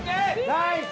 ナイス！